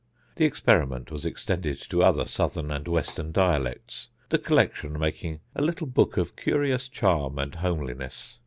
The experiment was extended to other southern and western dialects, the collection making a little book of curious charm and homeliness.